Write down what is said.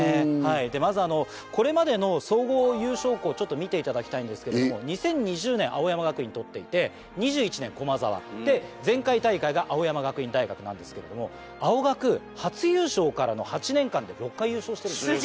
まずこれまでの総合優勝校ちょっと見ていただきたいんですけれども２０２０年青山学院取っていて２１年駒澤で前回大会が青山学院大学なんですけれども青学初優勝からの８年間で６回優勝してるんです。